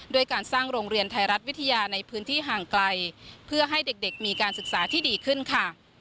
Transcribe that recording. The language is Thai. ด้วยการสร้างโรงเรียนไทยรัฐวิทยาในพื้นที่ห่างไกลเพื่อให้เด็กมีการศึกษาที่ดีขึ้นค่ะ